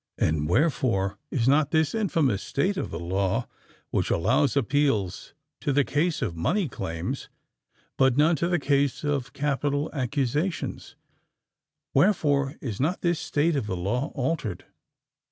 And wherefore is not this infamous state of the law, which allows appeals to the case of money claims, but none to the case of capital accusations,—wherefore is not this state of the law altered?